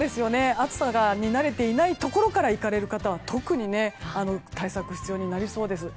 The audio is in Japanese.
暑さに慣れていないところから行かれる方は特に対策が必要になりそうです。